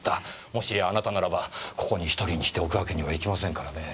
もしあなたならばここに１人にしておくわけにはいきませんからねぇ。